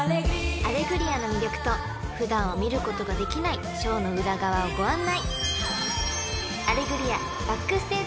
［『アレグリア』の魅力と普段は見ることができないショーの裏側をご案内！］